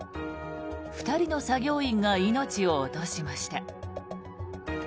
２人の作業員が命を落としました。